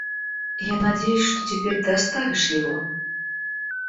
Я надеюсь, что теперь ты оставишь его.